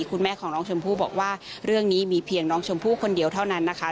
คุณแม่ของน้องชมพู่บอกว่าเรื่องนี้มีเพียงน้องชมพู่คนเดียวเท่านั้นนะคะ